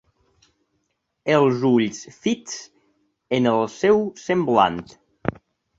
Els ulls fits en el seu semblant.